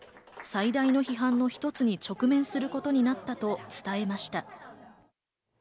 最大の批判の１つに直面することになったと伝えました。